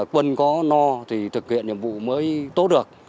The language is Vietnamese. quân có no thì thực hiện nhiệm vụ mới tốt được